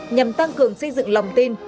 nhằm tăng cường xây dựng lòng tin